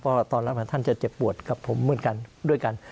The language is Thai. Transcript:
เพราะตอนรัฐประหารท่านจะเจ็บปวดกับผมด้วยกัน